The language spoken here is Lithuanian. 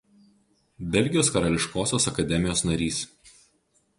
Belgijos karališkosios akademijos narys.